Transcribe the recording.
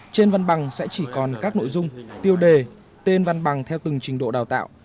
trên văn bằng sẽ chỉ còn các nội dung tiêu đề tên văn bằng theo từng trình độ đào tạo